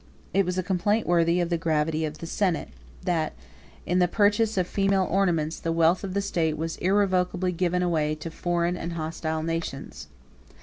It was a complaint worthy of the gravity of the senate, that, in the purchase of female ornaments, the wealth of the state was irrecoverably given away to foreign and hostile nations.